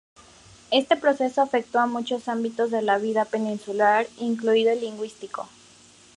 Este proceso afectó muchos ámbitos de la vida peninsular, incluido el lingüístico.